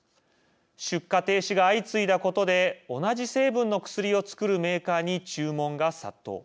出荷停止が相次いだことで同じ成分の薬を作るメーカーに注文が殺到。